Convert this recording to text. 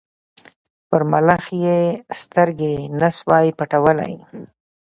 پر ملخ یې سترګي نه سوای پټولای